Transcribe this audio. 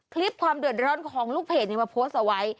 ความเดือดร้อนของลูกเพจนี้มาโพสต์เอาไว้